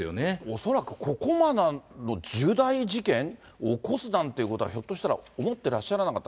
恐らくここまでの重大事件起こすなんてことはひょっとしたら、思ってらっしゃらなかった。